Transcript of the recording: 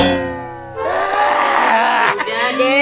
udah deh pak de